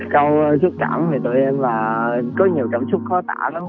câu xúc cảm thì tụi em là có nhiều cảm xúc khó tả lắm